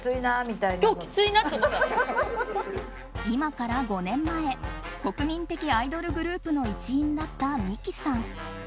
今から５年前国民的アイドルグループの一員だった未姫さん。